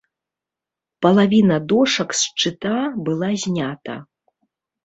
Палавіна дошак з шчыта была знята.